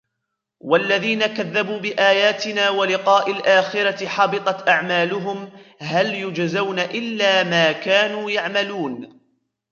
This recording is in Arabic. وَالَّذِينَ كَذَّبُوا بِآيَاتِنَا وَلِقَاءِ الْآخِرَةِ حَبِطَتْ أَعْمَالُهُمْ هَلْ يُجْزَوْنَ إِلَّا مَا كَانُوا يَعْمَلُونَ